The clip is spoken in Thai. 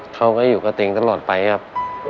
เขาก็อยู่กับตัวเองตลอดไปครับ